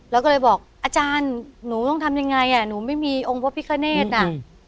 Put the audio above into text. แล้วก็เลยบอกอาจารย์หนูต้องทำยังไงอ่ะหนูไม่มีองค์พระพิคเนธน่ะ